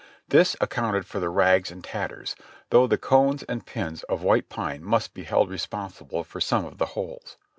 This accounted for the rags and tatters, though the cones and pins of white pine must be held responsible for some of the holes.